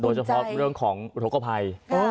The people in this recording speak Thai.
โดยเฉพาะเรื่องของอุทธกภัย